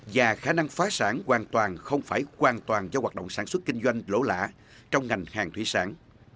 và khả năng phá sản hoàn toàn không phải hoàn toàn cho hoạt động sản xuất kinh doanh lỗ lạ trong ngành hàng thủy sản